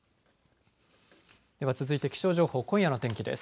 では続いて気象情報、今夜の天気です。